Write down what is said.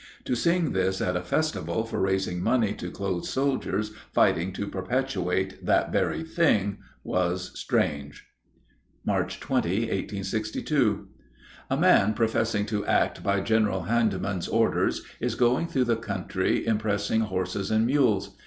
To sing this at a festival for raising money to clothe soldiers fighting to perpetuate that very thing was strange. March 20, 1862. A man professing to act by General Hindman's orders is going through the country impressing horses and mules.